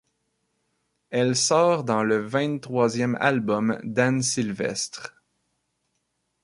Elle sort dans le vingt-troisième album d'Anne Sylvestre.